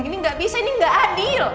ini gak bisa ini gak adil